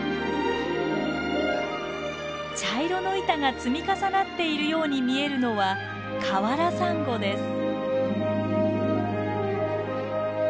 茶色の板が積み重なっているように見えるのはカワラサンゴです。